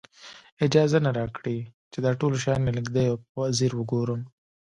اجازه را نه کړي چې دا ټول شیان له نږدې او په ځیر وګورم.